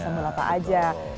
sambal apa aja